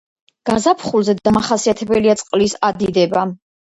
გაზაფხულზე დამახასიათებელია წყლის ადიდება.